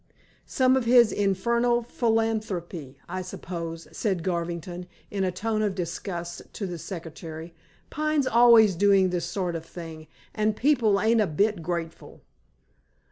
"Some of his infernal philanthropy, I suppose," said Garvington, in a tone of disgust, to the secretary. "Pine's always doing this sort of thing, and people ain't a bit grateful."